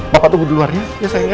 bapak tunggu di luar ya ya sayang ya